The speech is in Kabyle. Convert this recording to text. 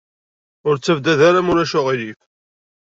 Ur ttabdad ara, ma ulac aɣilif.